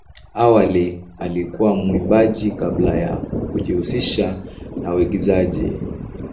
Awali alikuwa mwimbaji kabla ya kujihusisha na uigizaji.